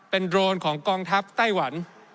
เป็นโดรนของกองทัพไต้หวัน